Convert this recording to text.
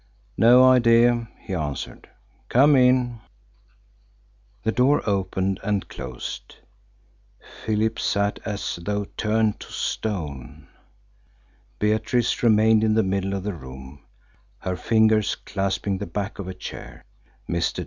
"No idea," he answered. "Come in." The door opened and closed. Philip sat as though turned to stone. Beatrice remained in the middle of the room, her fingers clasping the back of a chair. Mr.